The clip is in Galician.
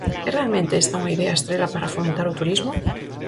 ¿É realmente esta unha idea estrela para fomentar o turismo?